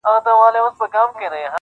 ځيني خلک ستاينه کوي,